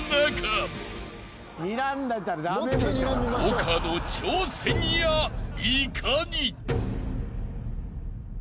［丘の挑戦やいかに］